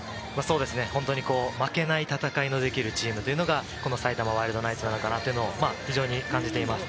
本当に負けない戦いのできるチームっていうのが、埼玉ワイルドナイツだなっていうのを非常に感じています。